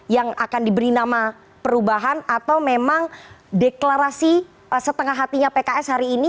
yang akan diberi nama perubahan atau memang deklarasi setengah hatinya pks hari ini